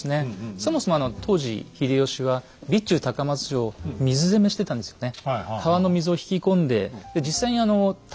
そもそも当時秀吉は備中高松城を水攻めしてたんですよね。